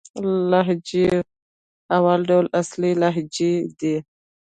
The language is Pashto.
د لهجو اول ډول اصلي لهجې دئ.